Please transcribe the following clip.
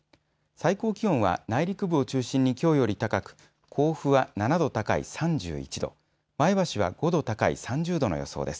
最高気温は内陸部を中心にきょうより高く甲府は７度高い３１度、前橋は５度高い３０度の予想です。